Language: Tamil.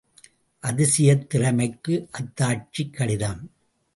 அதிசயத் திறமைக்கு அத்தாட்சிக் கடிதம்!